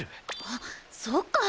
あっそっか！